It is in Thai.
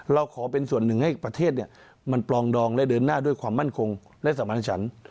เราขอเป็นส่วนหนึ่งให้ประเทศมันปลองดองและเดินหน้าด้วยความมั่นคงและสมาธิฉัน